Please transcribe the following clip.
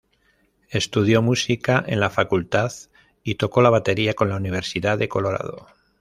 Estudió música en la facultad y tocó la batería con la Universidad de Colorado.